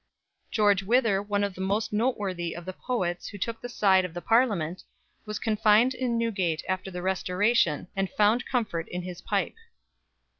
George Wither, one of the most noteworthy of the poets who took the side of the Parliament, was confined in Newgate after the Restoration, and found comfort in his pipe.